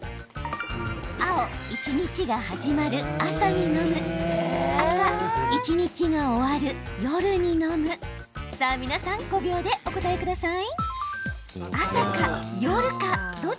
青・一日が始まる朝に飲む赤・一日が終わる夜に飲むさあ皆さん５秒でお答えください。